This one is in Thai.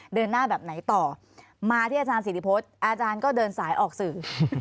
เดินหน้าแบบไหนต่อมาที่อาจารย์ศิริพฤษอาจารย์ก็เดินสายออกสื่อ